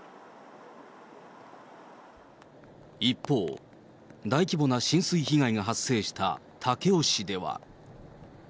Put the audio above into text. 一方、大規模な浸水被害が発生した武雄市では。